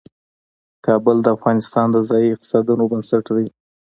کابل د افغانستان د ځایي اقتصادونو بنسټ دی.